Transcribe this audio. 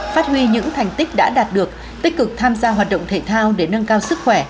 phát huy những thành tích đã đạt được tích cực tham gia hoạt động thể thao để nâng cao sức khỏe